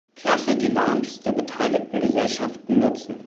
Klasse die Lounges der beteiligten Gesellschaften nutzen.